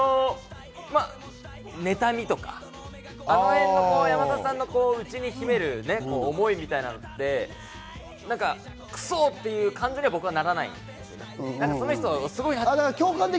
ねたみとか、あの辺の山里さんの内に秘める思いみたいなのって、クソ！っていう感じには僕はならないんですよね。